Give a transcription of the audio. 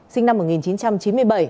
sinh năm một nghìn chín trăm chín mươi bảy